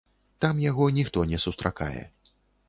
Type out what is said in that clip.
Там яго ніхто не сустракае.